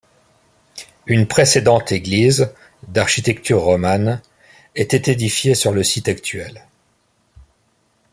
Une précédente église, d'architecture romane, était édifiée sur le site actuel.